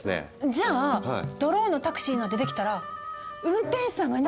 じゃあドローンのタクシーなんてできたら運転手さんがいなくなる？